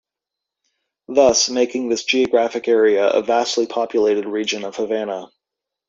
Thus, Making this geographic area a vastly populated region of Havana.